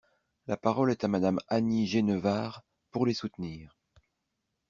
La parole est à Madame Annie Genevard, pour les soutenir.